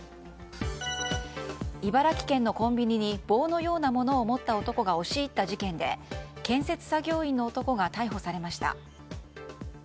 茨城県のコンビニに棒のようなものを持った男が押し入った事件で建設作業員の男が逮捕されました。